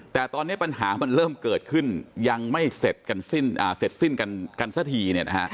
แต่ตอนนี้ปัญหามันเริ่มเกิดขึ้นยังไม่เสร็จสิ้นกันสักทีเนี่ยนะฮะ